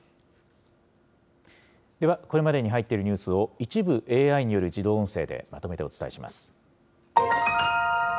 ではこれまでに入っているニュースを一部ＡＩによる自動音声でまとめてお伝えします。